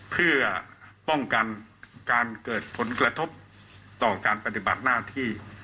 เพื่อป้องกันการเกิดผลกระทบต่อการปฏิบัติหน้าที่